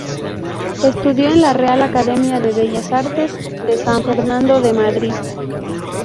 Estudió en la Real Academia de Bellas Artes de San Fernando de Madrid.